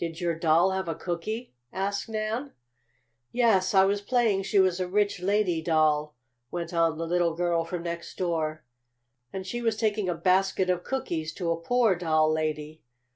"Did your doll have a cookie?" asked Nan. "Yes. I was playing she was a rich lady doll," went on the little girl from next door, "and she was taking a basket of cookies to a poor doll lady.